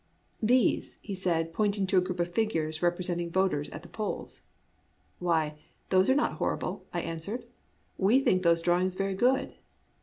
"These," he said, pointing to a group of figures representing voters at the polls. " Why, those are not horrible," I answered. " We think those drawings very good."